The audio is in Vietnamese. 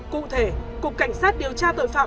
cụ thể cục cảnh sát điều tra tội phạm